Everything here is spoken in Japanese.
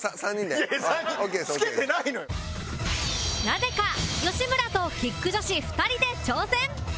なぜか吉村とキック女子２人で挑戦